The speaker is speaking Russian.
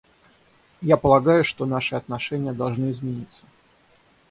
Я полагаю, что наши отношения должны измениться.